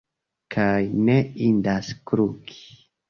Kaj ne indas kluki.